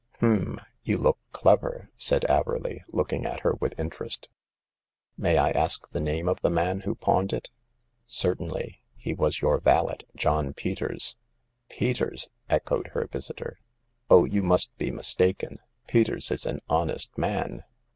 " H'm ! you look clever," said Averley, looking at her with interest. " May I ask the name of the man who pawned this ?"" Certainly. He was your valet, John Peters. Peters !" echoed her visitor. " Oh, you must be mistaken ! Peters is an honest man